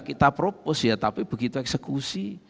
kita propos ya tapi begitu eksekusi